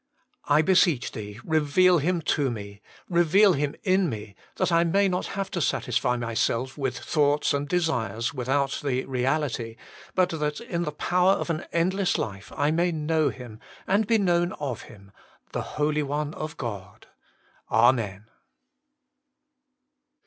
I beseech Thee, reveal Him to me, reveal Him in me, that I may not have to satisfy myself with thoughts and desires, without the reality, but that in the power of an endless life I may know Him, and be known of Him, the Holy One of God. Amen.